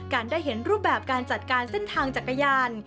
ได้เห็นรูปแบบการจัดการเส้นทางจักรยาน